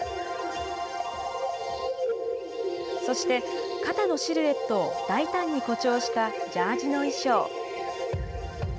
そして、肩のシルエットを大胆に誇張したジャージの衣装。